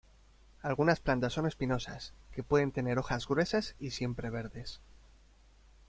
Algunas plantas son espinosas, que pueden tener hojas gruesas y siempre verdes.